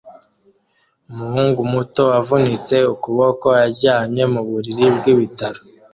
Umuhungu muto wavunitse ukuboko aryamye muburiri bwibitaro